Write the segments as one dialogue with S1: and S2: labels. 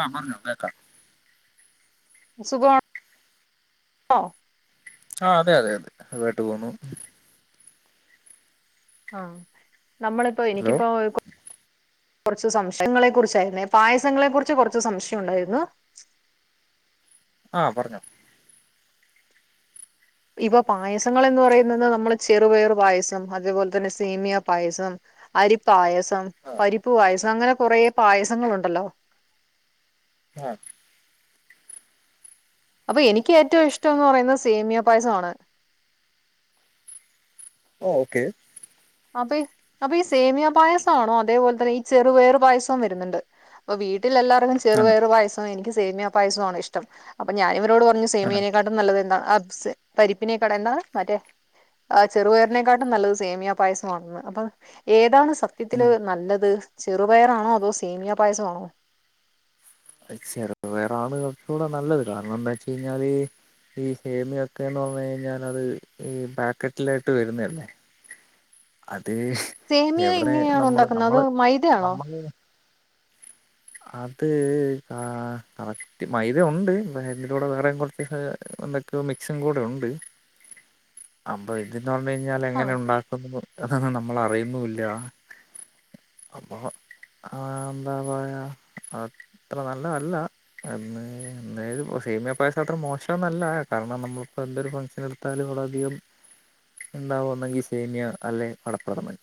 S1: ആഹ് പറഞ്ഞോ കേക്കാം
S2: സുഖവാ
S1: ആഹ് അതെയതെ സുഖായിട്ട് പോവുന്നു
S2: ആഹ് നമ്മളിപ്പൊ
S1: ഹലോ
S2: എനിക്കിപ്പോ കുറച്ച് സംശയങ്ങളെ കുറിച്ചായിരുന്നെ പായസങ്ങളെ കുറിച്ച് കുറച്ച് സംശയം ഉണ്ടായിരുന്നു
S1: ആഹ് പറഞ്ഞോ
S2: ഇപ്പ പായസങ്ങള് എന്ന് പറയുന്നത് നമ്മള് ചെറുപയറു പായസം അതേപോലെ തന്നെ സേമിയ പായസം അരിപ്പായസം
S1: ആ
S2: പരിപ്പ് പായസം അങ്ങനെ കൊറേ പായസങ്ങള് ഉണ്ടല്ലോ
S1: ആഹ്
S2: അപ്പൊ എനിക്ക് ഏറ്റവും ഇഷ്ടം എന്ന് പറയുന്ന സേമിയ പായസമാണ്
S1: ഓക്കെ
S2: അപ്പൊ അപ്പൊ ഈ സേമിയ പായസണോ അതേപോലെ തന്നെ ഈ ചെറു പയർ പായസവും വരുന്നുണ്ട് അപ്പൊ വീട്ടിൽ എല്ലാർക്കും ചെറു
S1: ആ
S2: വേറ പായസവും എനി സേമിയ പായസമാണ് ഇഷ്ടം അപ്പ ഞാന ഇവരോട് പറഞ്ഞു
S1: ആ
S2: സേമിനെ കാ നല്ല എന്ത പരിപ്പിനക്കാട എന്താണ് മറ്റേ ചെറുപയറിനെക്കാട്ടും നല്ലത് സമിയ പായസമാണന്ന് അപ്പൊ ഏതാണ് സത്യത്തില്
S1: ഉം
S2: നല്ലത് ചെറുപയറാണോ അതോ സേമിയ പായസംമാണോ
S1: ചെറു വേറാണ് കുറച്ചുകൂടെ നല്ലത് കാരണം എന്താ വെച്ച കഴിഞ്ഞാല് ഈ ഹേമിയ ഒക്കെന്ന് പറഞ്ഞു കഴഞ്ഞല് അത് ഈ ബാക്കറ്റിലായിട്ട് വരുന്നതന്നേ അതെ
S2: സേമിയ എങ്ങനെയാണോ ഉണ്ടാക്കുന്നത് അത് മൈദയാണോ
S1: നമ്മള് അത് കാ കറക്റ്റ് മൈദ ഉണ്ട് എലൂടെ വേറെ കുറ എന്തൊ മിക്സും കൂടെ ഉണ്ട് അപ്പൊ ഇതന്ന് പറഞ്ഞഴിഞ്ഞാൽ
S2: ആ
S1: എങ്ങനെ ഉണ്ടാക്കുന്നു അതാണ് നമ്മൾ അറിയുന്നുല്ല അപ്പൊ ആ എന്താ പറയാ അത്ര നല്ലതല്ല അന്ന് അയത് സേമിയ പായസ അത്ര മോശംന്നല്ല കാരണം നമ്മളിപ്പോ എന്ത ഒരു ഫംഗഷൻ ത്താല വള അധികം ഉണ്ടാവുകന്നെങ്കിൽ സേമ്യ അല്ലെ അടുപ്രഥമൻ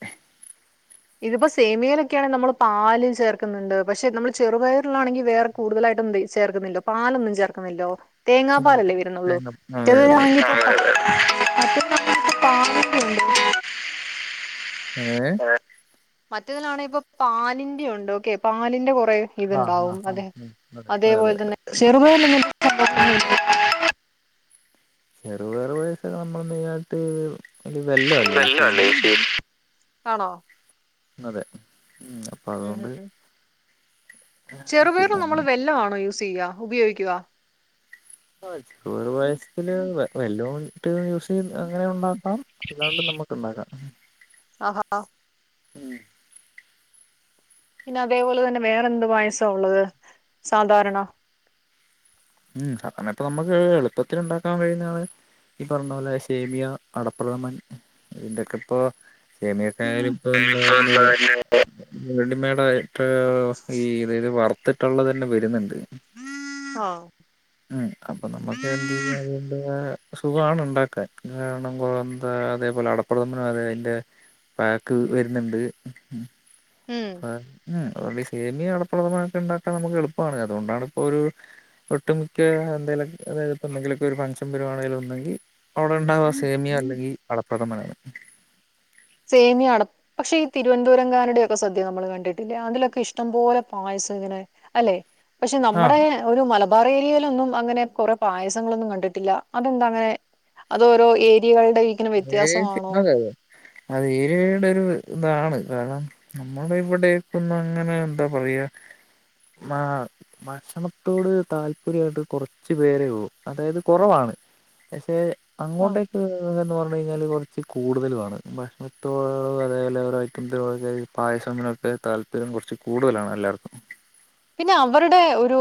S2: ഇതിപ്പോ സേമിയയിലൊക്കെയാണെിൽ നമ്മൾ പാലും ചേർക്കുന്നുണ്ട് പക്ഷെ നമ്മള് ചെറുപയറിലാണെങ്കിൽ വേറെ കൂടുതലായിട്ടും ചേർക്കുന്നില്ലോ പാലൊന്നും ചേർക്കുന്നില്ലോ തേങ്ങാ
S1: തന്നെ
S2: പാലല്ലേ വിരണള്ളൂ
S1: തേങ്ങ അതെ
S2: അത്
S1: അതെ
S2: നക്ക് പാണ്ട്
S1: ഉം
S2: മറ്റേതിലാണ ഇപ്പൊ പാലിന്റെ ഉണ്ട് ഓക്കെ പാലിന്റെ കുറെ
S1: ആ ആ
S2: ഇതുണ്ടാവും അതെ
S1: അതെ
S2: അതേപോലെ
S1: അതെ
S2: തന്നെ ചെറുപയർ
S1: ചെറുപയർ പായസം നമ്മുൾ കഴഞ്ഞാട്ട്
S2: ആണോ
S1: അതെ ഉം
S2: ഉം ഉം ചെറുപേർ നമ്മൾ
S1: പിന്നെ
S2: വെല്ലമാണോ യൂസ് ചെയ്യുക ഉപയോഗിക്കുക
S1: ആ ചറ പായസത്തില് വെല്ലിട്ട് യൂസ് അങ്ങനെണ്ടാക്ക അപ്പം ഇതാണ്ട് നമക്ക് ഉണ്ടാക്കാം
S2: ആഹ്
S1: ഉം
S2: പിന്നെ അതേപോലെ തന്നെ വേറെന്ത് പായസ ഉള്ളത് സാധാരണ
S1: ഉം സാരണ ഇപ്പ നമുക്ക് എളുപ്പത്തിൽ ഉണ്ടാക്കാൻ കഴിയുന്നതാണ് ഈ പറഞ്ഞ പോലെ സേമിയ അടപ്രഥമൻ ഇന്റെയൊക്കെ ഇപ്പൊ
S2: ഉം
S1: ശമീക്കായാലും ഇപ്പൊ എന്താ അതിന്റെ റെഡിമേട ഈ ഇതത് വർത്തിട്ടുള്ളതെന്നെ വരുന്നുണ്ട്
S2: ആഹ്
S1: ഉം അപ്പൊ നമ്മുക്ക് എന്ത് ചെയ്യ അ സുഖമാണ് ഉണ്ടാക്കാൻ കാരണം കുഴന്ത അതേപോലെ അട പ്രഥമന അ അതിന്റെ പാക്ക് വരുന്നുണ്ട്
S2: ഉം
S1: ഉം അതുകൊണ്ട് ഈ സേമിയ അടപ്രദമനോക്കെ ഉണ്ടാക്കാൻ നമുക്ക് എളുപ്പമാണ് അതുകൊണ്ടാണ് ഇപ്പോ ഒരു ഒട്ടുമിക്ക എന്തെലും അതായത് ഇപ്പൊ എന്തെങ്കിലു ഒക്കെ ഒരു ഫങ്ക്ഷൻ വരുവാണെൽ ഒന്നെങ്കി അവിടെ ഉണ്ടാവുന്ന സേമിയാ അല്ലെങ്കി അട പ്രഥമനാണ്.
S2: സേമിയാണ്. പക്ഷെ ഈ തിരുവനന്തപുരംകാരുടെ ഒക്കെ സദ്യ നമ്മള് കണ്ടിട്ടില്ലേ അതിലൊക്കെ ഇഷ്ടം പോലെ പായസം ഇങ്ങനെ അല്ലെ പക്ഷെ
S1: ആ
S2: നമ്മടേ ഒരു മലബാർ ഏരിയയിലൊന്നും അങ്ങനെ കൊറെ പായസങ്ങളൊന്നും കണ്ടിട്ടില്ല അതെന്ത അങ്ങനെ? അത് ഓരോ ഏരിയകള്ടെ
S1: ഏഹ് അതെ അതെ അത് ഏരിയയുടെ ഒര് ഇതാണ് കാരണം നമ്മുടെ ഇവിടെക്ക് ഒന്നും അങ്ങനെ എന്താ പറയാ മാ ഭക്ഷണത്തോട് താല്പര്യായിട്ട് കൊറച്ച് പേരെ ഉള്ളു അതായത് കൊറവാണ്. പഷേ
S2: ആവോ
S1: അങ്ങോട്ടേക്ക് എന്ന് പറഞ്ഞു കഴിഞ്ഞാൽ കൊറച്ച് കൂടുതലുവാണ് ഭക്ഷണത്തോടൊരേലെവലായിട്ട് എന്തേലും പായസങ്ങളും തുവെ താല്പര്യം കുറച്ച് കൂടുതലാണ് എല്ലാർക്കും.
S2: പിന്നെ അവര്ടെ ഒരു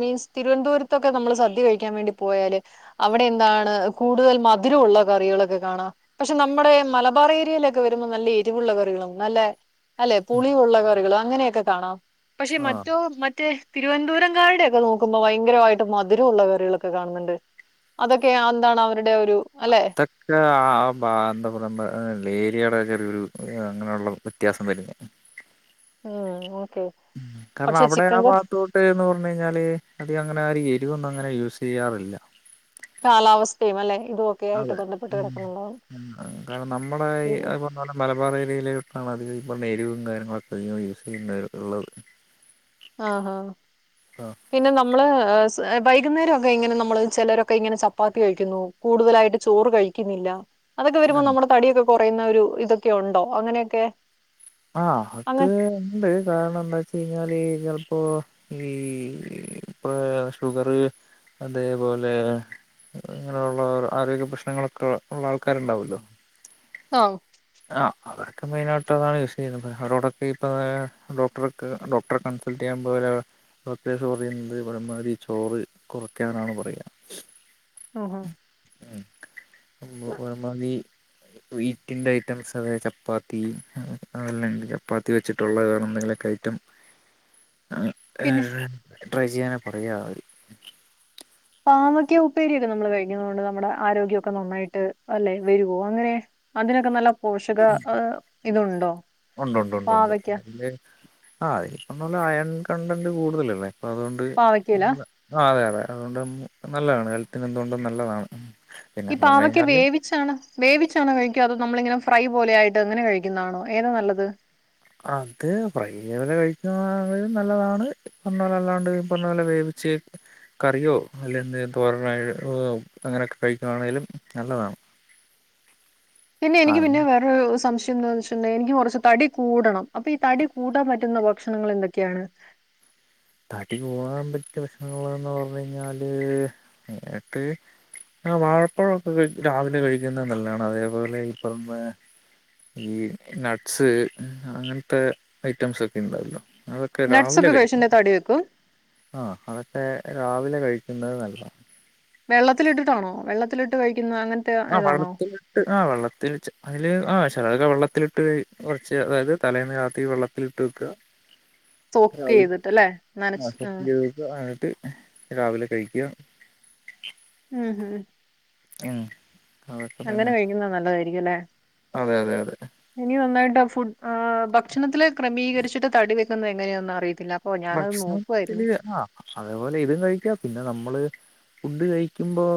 S2: മീൻസ് തിരുവന്തപുരത്തൊക്കെ നമ്മള് സദ്യ കഴിക്കാൻ വേണ്ടി പോയാല് അവിടെ എന്താണ് കൂടുതൽ മധിരുള്ള കറികളക്കെ കാണാം. പക്ഷെ നമ്മടെ മലബാർ ഏരിയയിലക്കെ വരുമ്പോ നല്ല എരിവുള്ള കറികളും നല്ലെ അല്ലെ പുളിയുള്ള കറികളും അങ്ങനെ ഒക്കെ കാണാം പക്ഷെ മറ്റ്
S1: ആഹ്
S2: ഒ മറ്റേ തിരുവൻന്തപുരം കാരുടെയൊക്കെ നോക്കുമ്പോ ഭയങ്കരമായിട്ട് മധുരവുള്ള കറികളൊക്കെ കാണുന്നുണ്ട്. അതൊക്കെ ആന്താണ് അവരുടെ ഒരു അല്ലെ
S1: അത്രെ ചാ ആ പാ എന്താ പറ മ്മടെ ഏരിയയുടെ ചെറിയൊരു അങ്ങനെയുള്ള വ്യത്യാസം വെര്ന്ന്.
S2: ആ എന്ന ഓക്കെ
S1: കരണം
S2: പക്ഷെ ചിക്കൻ
S1: അവിടയാണാ
S2: കറി
S1: ഭാഗത്തോ ട്ട് എന്ന് പറഞ്ഞ് കഴിഞ്ഞാല് അധികം അങ്ങനാരും എരിവൊന്നും അങ്ങനെ യൂസ് ചെയ്യാറില്ല.
S2: കാലാവസ്ഥയുമല്ലെ ഇതൊ
S1: അതെ കാരണം നമ്മളെ ഇ
S2: ആഹ്
S1: അവ തോനെ മലബാർ ഏരിയയിലോട്ടാണ് അധികം ഈ പറഞ്ഞ എരിവവും കാര്യങ്ങളൊക്കെ അധികം യൂസ് ചെയ്യുന്നൊര് ഉള്ളത്.
S2: ആഹ് ഹാ.
S1: ആ.
S2: പിന്നെ നമ്മള് സ് വൈകുന്നേരൊക്കെ ഇങ്ങനെ നമ്മള് ചിലരൊക്കെ ഇങ്ങനെ ചപ്പാത്തി കഴിക്കുന്നു. കൂടുതലായിട്ട് ചോറ് കഴിക്ക്ന്നില്ല. അതക്കെ
S1: ആഹ്
S2: വരുമ്പോ നമ്മുടെ തടിയൊക്കെ കുറയുന്ന ഒരു ഇതൊക്കെ ഉണ്ടോ അങ്ങനെയക്കെ?
S1: ആഹ് അത് ഇണ്ട് കാരണം എന്താ ച്ച് ഴിഞ്ഞാല് ചിലപ്പോ ഈ പ ഷുഗറ് അതേപോലെ ങ്ങനെയുള്ള ആരോഗ്യ പ്രശ്നങ്ങളൊക്കെ ഉള്ള ആൾക്കാരുണ്ടാവുല്ലോ.
S2: ആഹ്.
S1: ആഹ് അതക്കെ മെയിനായിട്ട് യൂസ് ചെയ്യുന്നത് അവരോടൊക്കെ ഇപ്പ ദാ ഡോക്ടർക്ക് ഡോക്ടറെ കൺസ് ൾട്ടെയ്യാൻ പോയാല് ഡോക്ടർസ് പറയുന്നത് പരമാധി ചോറ് കുറക്കാനാണ് പറയ.
S2: ആഹ് ഹ.
S1: ന്തോ ഒരു മാതി വീറ്റിൻ്റെ ഐറ്റംസ് അതായത് ചപ്പാത്തി അതല്ലങ്കി ചപ്പാത്തി വെച്ചിട്ടുള്ള വേറെ എന്തെങ്കിലുമൊക്കെ ഐറ്റം
S2: പിന്നെ
S1: ഏഹ് ട്രൈ ചെയ്യാനാ പറയാ ആരും.
S2: പാമക്ക ഉപ്പേരിയൊക്കെ നമ്മള് കഴിക്കുന്ന കൊണ്ട് നമ്മുടെ ആരോഗ്യൊക്കെ നന്നായിട്ട് അല്ലെ വരുവോ അങ്ങനെ? അതിനൊക്കെ നല്ല പോഷക അ ഇതുണ്ടോ?
S1: ഉണ്ട് ഉണ്ട് ഉണ്ട് ഉണ്ട്
S2: പാവയ്ക്ക
S1: അതിലെ ആ ഇപ്പൊന്നു പറഞ്ഞാ അയൺ കണ്ടന്റ് കൂടുതലല്ലേ ഇള്ളേ ഇപ്പ അതൊണ്ട് അതെ
S2: പാവയ്ക്കയില
S1: നല്ല ആ അതെ അതേ അതുകൊണ്ട് നല്ലതാണ് ഹെൽത്തിന് എന്തുകൊണ്ടും നല്ലതാണ്
S2: ഈ
S1: പിന്നെന്ന് പറഞ്ഞു
S2: പാവക്ക
S1: കഴിഞ്ഞാല്
S2: വേവി ച്ചാണ് വേവിച്ചാണോ കഴിക്ക അതോ നമ്മളിങ്ങനെ ഫ്രൈ പോലെയായിട്ട് അങ്ങനെ കഴിക്കുന്നതാണോ ഏതാ നല്ലത്
S1: അത് പ്രൈയോലെ കഴിക്കുന്നതും നല്ലതാണ് പറഞ്ഞതല്ലാണ്ട് ഇപ്പറഞ്ഞ പോല വേവിച്ച് കറിയോ അല്ല എന്തെങ്കിലും തോരോനേ അങ്ങനെയൊക്കെ കഴിക്കുകയാണെങ്കലും നല്ലതാണ്
S2: പിന്നെ
S1: ആ
S2: എനിക്ക് പിന്നെ വെ സംശയം എന്താന്ന് വെച്ചിട്ടുണ്ടെങ്കിൽ എനിക്ക് കുറച്ച് തടി കൂടണം. അപ്പൊ ഈ തടി കൂട്ടാൻ പറ്റുന്ന ഭക്ഷണങ്ങൾ എന്തൊക്കെയാണ്
S1: തടി കൂടാൻ പറ്റിയ ഭക്ഷണങ്ങൾ എന്ന് പറഞ്ഞു കഴിഞ്ഞാല് നിനക്ക് ആ വാഴപ്പഴമൊക്കെ രാവിലെ കഴിക്കുന്നത് നല്ലതാണ് അതേപോലെ ഇപ്പൊ ഈ നട്ട്സ് അങ്ങനത്തെ ഐറ്റംസ് ഒക്കെ ഉണ്ടാവല്ലോ അ ഒക്കെ
S2: നട്ട്സ്
S1: രാവിലെ
S2: ഒക്കെ
S1: കഴിക്കണം
S2: കഴിച്ചിട്ടുണ്ടെങ്കിൽ തടി വെക്കും
S1: ആ അതൊക്കെ രാവിലെ കഴിക്കുന്നത് നല്ലതാ
S2: വെള്ളത്തിലിട്ടിട്ടാണോ വെള്ളത്തിലി ട്ട് കഴിക്കുന്നു അങ്ങനെ
S1: ആഹ് വള്ളത്തിലി ആ വെള്ളത്തിൽ അതില് ആ ചിലതൊക്കെ വെള്ളത്തിലിട്ട് കുറച്ച് അതായത് തലേന്ന് രാത്രി വെള്ള ലിട്ടുവെക്ക
S2: സോക്ക് ചെയ്തിട്ടല്ലേ നനച്
S1: അതായത് രാവിലെ കഴിക്കുക
S2: ഉം ഹും
S1: മ്മ് അതെക്കെ തന്നെ
S2: എല്ലാം നല്ലതായിരിക്കും അല്ലെ
S1: അതെ അതെ അതെ
S2: ഇനി നന്നായിട്ട് ആ ഫുഡ് ഭക്ഷണത്തില് ക്രമീകരിച്ചിട്ട് തടി വെക്കുന്നത് എങ്ങനെന്ന് അറിയത്തില്ല അപ്പൊ ഞാനത് നോക്കുവായിരുന്നു.
S1: ഭക്ഷണത്തില് ആ അതേപോലെ ഇതും കഴിക്കാ പിന്നെ നമ്മള് ഇത് കഴിക്കുമ്പോൾ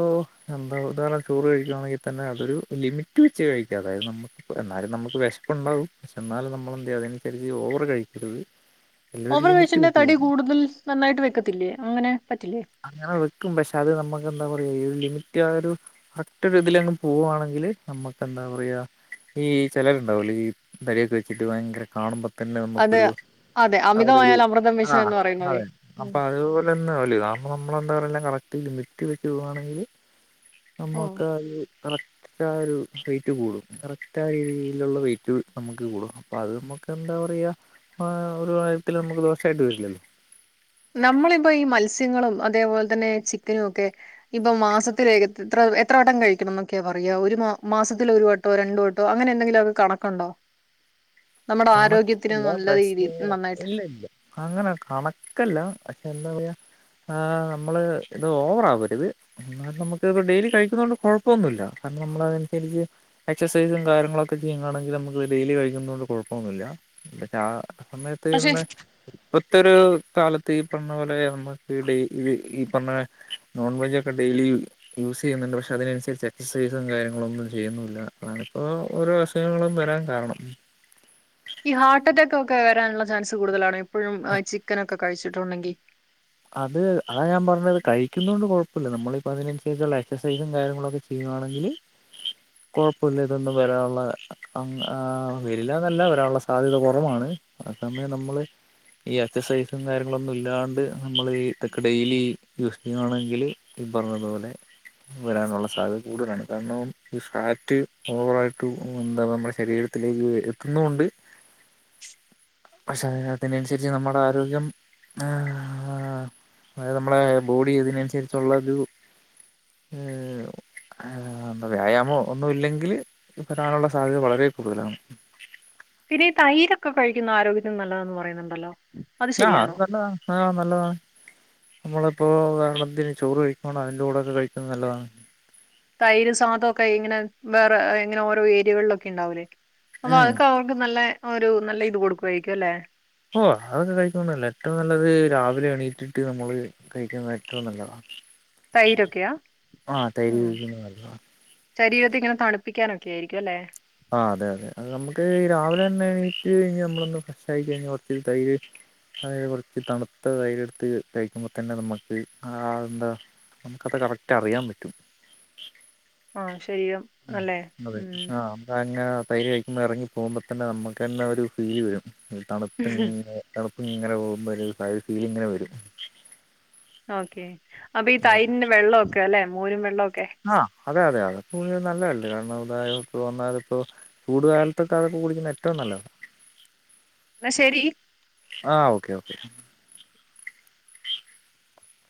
S1: എന്താ [unintelligible] ചോറ് കഴിക്കുകവാണെങ്കിൽ തന്നെ അതൊരു ലിമിറ്റ് [unintelligible] വെച്ച് കഴിക്കാതെ എന്നാലും നമുക്ക് വേശപ്പ് ഉണ്ടാവും എന്നാലും നമ്മളെന്ത് ചെയ്യാണ് അതിനനുസരിച്ച് ഓവർ കഴിക്കരുത് എല്ലാം ഒരു
S2: ഓവർ
S1: ലിമിറ്റ്
S2: കഴിച്ച
S1: വെച്ച്
S2: തടി
S1: കഴിക്കും.
S2: കൂടുതൽ നന്നായിട്ട് വെക്കത്തില്ലേ അങ്ങനെ പറ്റില്ലേ
S1: അങ്ങനെ വെക്കും പക്ഷെ അത് നമ്മുക്ക് എന്താ പറയാ ലിമിറ്റ് ആ ഒരു കറക്റ്റ് ഇതില അങ്ങ് പോവവാണെങ്കില് നമ്മക്ക് എന്താ പറയാ ഈ ചിലരുണ്ടാവൂലെ ഈ നര യൊക്കെ വെച്ചിട്ട് ഭയങ്കര കാണുമ്പോ പിന്നെ
S2: അത്
S1: നമുക്കരു
S2: അതെ
S1: ആ ഒരു
S2: അമിതമായാൽ അമൃതം
S1: ആ
S2: വിഷം എന്ന് പറയുന്നത്.
S1: അതെ
S2: ഉം.
S1: അപ്പൊ അത് ഒന്നും ആകൂല്ല നമ്മ നമ്മെന്താ പറയല്ല കറക്റ്റ് ലിമിറ്റ് വെച്ച് പോവുകവാണെങ്കിൽ
S2: ഓഹ്.
S1: നമുക്ക് ഈകറക്റ്റ് കറക്റ്റായാ ഒരു വെയ്റ്റ് കൂടും കറക്റ്റ് ആ രീതിയിലുള്ള വെയ്റ്റ് നമുക്ക് കൂടും അത് നമുക്ക് എന്താ പറയ ആ ഒരു പ്രായത്തിൽ നമുക്ക് ദോഷായിട്ട് വരില്ലല്ലോ
S2: നമ്മളിപ്പോ ഈ മത്സ്യങ്ങളും അതേപോലെ തന്നെ ചിക്കനും ഒക്കെ ഇപ്പം മാസത്തില് എത്ര എത്ര വട്ടം കഴിക്കണം എന്നൊക്കെയാ പറയാ ഒരു മാസത്തില ഒരു വ ഒന്നോ രണ്ട് വട്ടോ അങ്ങെന്തെങ്കിലു മെക്ക കണക്കുണ്ടോ നമ്മുടെ ആരോഗ്യത്തിന്
S1: കണക്കില്ല
S2: നല്ല
S1: പക്ഷേ
S2: രീതിയിൽ നന്നായിട്ട്
S1: ഇല്ല ഇല്ല അങ്ങനെ കണക്കല്ല പക്ഷെ എന്താ പറയാ ആഹ് നമ്മള് ഇത് ഓവറാവരുത് എന്നാലും നമുക്ക് ഡെയിലി കഴിക്കുന്ന കൊണ്ട് കൊഴപ്പന്നുല്ല കാരണം നമ്മള അതനുസരിച്ച് എക്സൈസും കാര്യങ്ങളൊക്കെ ചെയ്യുകയാണെങ്ക നമുക്ക് ഡെയിലി കഴിക്കുന്നത് കൊണ്ട് കൊഴപ്പ ന്നില്ല പക്ഷെ ആ
S2: പക്ഷെ
S1: സമയത്ത്ന്ന് മത്തൊരു കാലത്ത് ഈ പറഞ്ഞ പോലെ നമ്മുക്ക്ഡെയിലി ഈ പറഞ്ഞ നോൺവെജ് ഒക്കെ ഡെയിലി യൂസ് ചെയ്യുന്നുണ്ട് പക്ഷെ അതിനനുസരിച്ച് എക്സസൈസും കാര്യങ്ങളും ഒന്നും ചെയ്യുന്നില്ല അതാണിപ്പോ ഓരോ [unintelligible] വരാൻ കാരണം
S2: ഈ ഹാർട്ട് അറ്റാക്ക് ഒക്കെ വരാനുള്ള ചാൻസ് കൂടുതലാണ് എ പ്പോഴും ചിക്കനൊക്കെ കഴിച്ചിട്ടുണ്ടെങ്കിൽ
S1: അത് അതാ ഞാൻ പറഞ്ഞത് കഴിക്കുന്ന കൊണ്ട് കുഴപ്പമില്ല നമ്മിപ്പോ അതിനനുസരിച്ചുള്ള എക്സസൈസും കാര്യങ്ങളുക്കെ ചെയ്യുവാണെങ്കിൽ
S2: [inaudible]
S1: കൊഴപ്പില്ല ഇതൊന്നും വരാനുള്ള അ വരില്ല എന്നല്ല വരാനുള്ള സാധ്യത കുറവാണ് അ സമയം നമ്മള് ഈ എക്സസൈസും കാര്യങ്ങളൊന്നും ഇല്ലാണ്ട് നമ്മള് ഇതൊക്കെ ഡെയിലി യൂസ് ചെയ്യവാണെങ്കില് പറഞ്ഞതുപോലെ വരാനുള്ള സാധ്യത കൂടുതലാണ് കാരണം ഈ ഫാറ്റ് ഓവറായിട്ട് എന്താ നമ്മുടെ ശരീര ത്തിലേക്ക് എത്തുന്നൊണ്ട്
S2: [inaudible]
S1: പക്ഷെ അതിനനുസരിച്ച് നമ്മുടെ ആരോഗ്യം ആഹ് ആഹ് അതായത് നമ്മളെ ബോഡി ഇതിനനുസരിച്ചുള്ളത് ഏഹ് ആഹ് വ്യായാമം ഒന്നും ഇല്ലെങ്കില് വരാനുള്ള സാധ്യത വളരെ കൂടുതലാണ്
S2: പിന്നെ ഈ തൈരൊക്കെ കഴിക്കുന്നത് ആരോഗ്യത്തിന് നല്ലതെന്ന് പറയുന്നുണ്ടല്ലോ
S1: ആഹ് അത് നല്ലതാണ് ആഹ് നല്ലതാണ് നമ്മളിപ്പോൾ കാരണതിന് ചോറ് കഴിക്കുമ്പോ അതിന്റെ കൂടെൊക്കെ കഴിക്കുന്നത് നല്ലതാണ്
S2: തൈര് സാധംക്കെ ഇങ്ങനെ വേറെ ഇങ്ങനെ ഓരോ ഏരിയകളിലൊക്കെ ഉണ്ടാവൂലേ അപ്പൊ
S1: ഉം
S2: അതൊക്കെ നമക്ക് നല്ല ഒരു നല്ല ഇത് കൊടുക്കയിരിക്കും അല്ലെ
S1: ഓഹ് അതൊക്കെ കഴിക്കന്നല്ല ഏറ്റവും നല്ലത് രാവിലെ എണീറ്റിട്ട് നമ്മള് കഴിക്കുന്നത് ഏറ്റവും നല്ലതാ
S2: തൈരൊക്കെയാ
S1: ആ തൈര് കഴിക്കുന്ന നല്ലതാ
S2: ശരീരത്തി ഇങ്ങനെ തണുപ്പിക്കാനൊക്കെ ആയിരിക്കും അല്ലെ
S1: ആ അതെ അതെ അ നമുക്ക് ഈ രാവിലെ തന്നെ എണീറ്റ് കഴിഞ്ഞ നമ്മളൊന്ന് ഫ്രഷ് ആയി കഴിഞ്ഞൽ കുറച്ച് തൈര് അ കുറച്ച് തണുത്ത തൈയ്ര് എടുത്ത് കഴിക്കുമ്പോ തന്നെ നമ്മുക്ക് ആഹ് എന്താ നമുക്കത് കറക്റ്റ് അറിയാൻ പറ്റും
S2: ആഹ് ശരിം അല്ലേ ഉം
S1: അ അങ്ങെ തൈര് കഴിക്കുമ്പോൾ ഇറങ്ങി പോകുമ്പോ തന്നെ നമുക്ക് തന്നെ ഒരു ഫീല് വരും ഈ തണുത്തങ്ങനെ തണുപ്പങ്ങനെ പോകുമ്പോ ഫീലിങ്ങനെ വരും
S2: ഓക്കേ അപ്പൊ ഈ തൈരിന്റെ വെള്ളമൊക്കെ അല്ലെ മോരും വെള്ളമൊക്കെ
S1: ആഹ് അതെ അതെ അതെ കൂഴ നല്ലതല്ല കാരണം ഇതായ വന്നാല് ഇപ്പോ ചൂടുകാലത്തൊക്കെ അതൊക്കെ കുടിക്കുന്ന ഏറ്റവും നല്ലതാണ്
S2: എന്ന ശരി
S1: ആഹ് ഓക്കേ ഓക്കേ